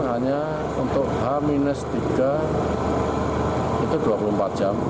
hanya untuk h tiga itu dua puluh empat jam